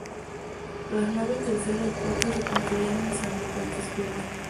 Las naves tercera y cuarta se construirán en San Petersburgo.